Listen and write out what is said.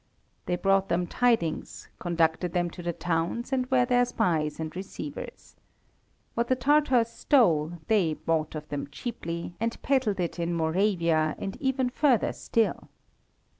They brought them tidings, conducted them to the towns, and were their spies and receivers. What the Tatars stole they bought of them cheaply, and peddled it in Moravia, and even further still.